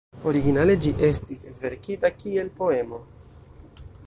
Originale ĝi estis verkita kiel poemo.